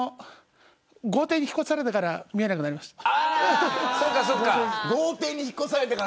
豪邸に引っ越されてから見えなくなりました。